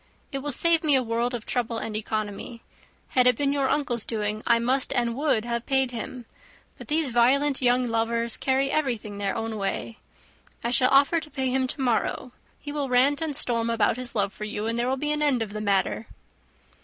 It will save me a world of trouble and economy. Had it been your uncle's doing, I must and would have paid him; but these violent young lovers carry everything their own way. I shall offer to pay him to morrow, he will rant and storm about his love for you, and there will be an end of the matter."